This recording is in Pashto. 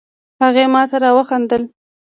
هغې ماته را وخندل